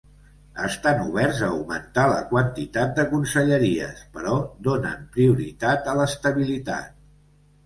Estan oberts a augmentar la quantitat de conselleries, però donen prioritat a l’estabilitat.